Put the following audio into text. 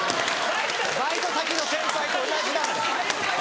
バイト先の先輩と同じなんだよ。